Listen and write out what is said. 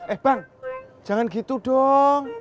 eh bang jangan gitu dong